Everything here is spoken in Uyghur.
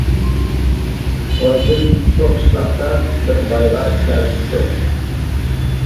خورىزىم شۇ قىشلاقتا بىر بايغا ئىشلەۋېتىپتۇ.